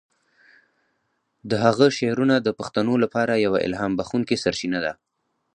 د هغه شعرونه د پښتنو لپاره یوه الهام بخښونکی سرچینه ده.